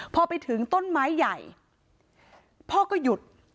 พอไปถึงต้นไม้ใหญ่พ่อก็หยุด